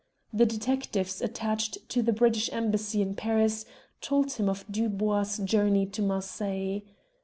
The detectives attached to the British Embassy in Paris told him of Dubois' journey to Marseilles.